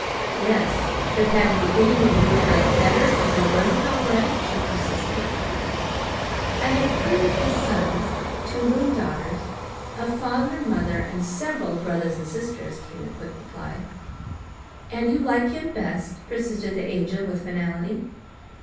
"Yes, but have you anyone you could like better, if he wasn't all right?" she persisted. "I have three of his sons, two little daughters, a father, mother, and several brothers and sisters," came the quick reply. "And you like him best?" persisted the Angel with finality.